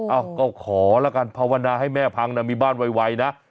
เอ้าก็ขอแล้วกันภาวนาให้แม่พังมีบ้านไวนะ